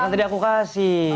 nanti di aku kasih